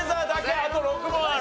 あと６問ある。